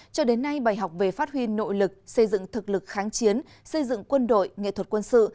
cho đến nay bài học về phát huy nội lực xây dựng thực lực kháng chiến xây dựng quân đội nghệ thuật quân sự